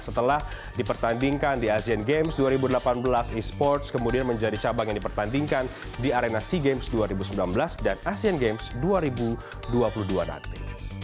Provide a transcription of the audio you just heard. setelah dipertandingkan di asean games dua ribu delapan belas e sports kemudian menjadi cabang yang dipertandingkan di arena sea games dua ribu sembilan belas dan asean games dua ribu dua puluh dua nanti